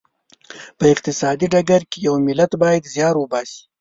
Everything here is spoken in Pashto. په اقتصادي ډګر کې یو ملت باید زیار وباسي.